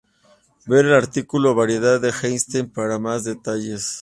Ver el artículo variedad de Einstein para más detalles.